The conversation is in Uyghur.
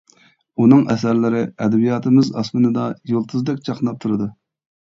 ئۇنىڭ ئەسەرلىرى ئەدەبىياتىمىز ئاسمىنىدا يۇلتۇزدەك چاقناپ تۇرىدۇ.